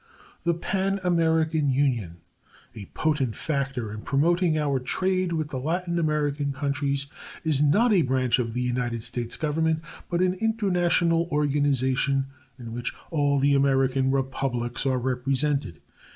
The Pan American Union, a potent factor in promoting our trade with the Latin American countries, is not a branch of the United States Government, but an international organization in which all the American republics are represented.